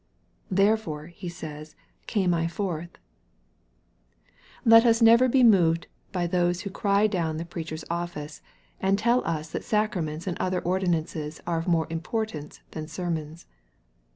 " Therefore," He says, " came I fortA." 20 EXPOSITOKT THOUGHTS. Let us never be moved by those who cry down the preacher's office, and tell us that sacraments and other ordinances are of more importance than sermons.